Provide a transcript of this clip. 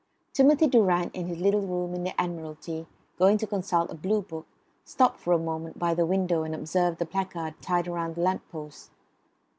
Timmy Durrant in his little room in the Admiralty, going to consult a Blue book, stopped for a moment by the window and observed the placard tied round the lamp post.